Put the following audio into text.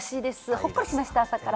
ほっこりしました、朝から。